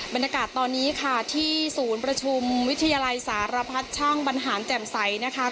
บรรยากาศตอนนี้ค่ะที่ศูนย์ประชุมวิทยาลัยสารพัฒน์ช่างบรรหารแจ่มใสนะคะ